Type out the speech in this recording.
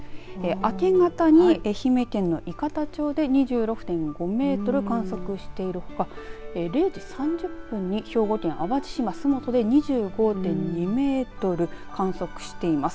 明け方に愛媛県の伊方町で２６．５メートル観測しているほか０時３０分に兵庫県淡路島洲本で２５．２メートル観測しています。